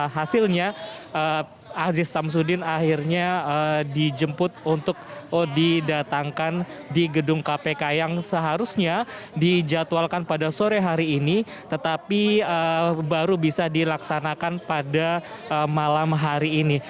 hasilnya aziz samsudin akhirnya dijemput untuk didatangkan di gedung kpk yang seharusnya dijadwalkan pada sore hari ini tetapi baru bisa dilaksanakan pada malam hari ini